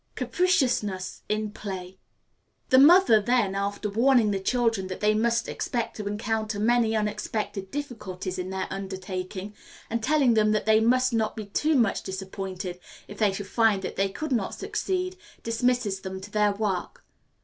Capriciousness in Play. The mother, then, after warning the children that they must expect to encounter many unexpected difficulties in their undertaking, and telling them that they must not be too much disappointed if they should find that they could not succeed, dismisses them to their work.